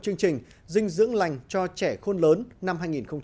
chương trình dinh dưỡng lành cho trẻ khôn lớn năm hai nghìn một mươi sáu